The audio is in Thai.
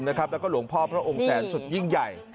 แล้วก็หลวงพ่อพระองค์แสนสุดยิ่งใหญ่